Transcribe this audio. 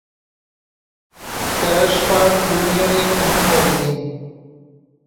কেশারপাড় ইউনিয়নে কোন নদী নেই।